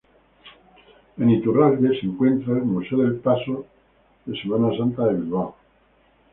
En Iturralde se encuentra el Museo de Pasos de Semana Santa de Bilbao.